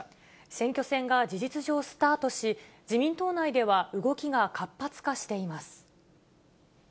選挙戦が事実上、スタートし、自民党内では動きが活発化しています。